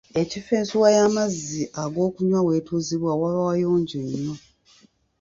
Ekifo ensuwa y’amazzi ag’okunywa w’etuuzibwa waba wayonjo nnyo.